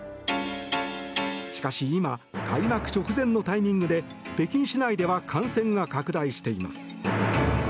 しかし、今開幕直前のタイミングで北京市内では感染が拡大しています。